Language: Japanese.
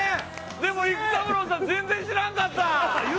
でも育三郎さん全然知らんかった！